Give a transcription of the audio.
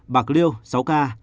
bạc liêu sáu ca